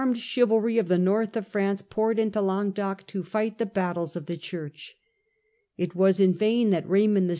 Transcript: AND ST LOUIS 197 chivalry of the North of France poured into Languedoc, . to fight the battles of the Church. It was in vain that Kaymond VI.